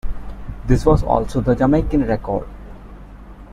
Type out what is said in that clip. This was also the Jamaican record.